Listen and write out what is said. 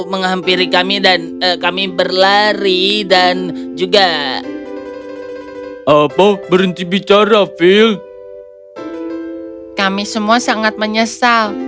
menghampiri kami dan kami berlari dan juga oh berhenti bicara view kami semua sangat menyesal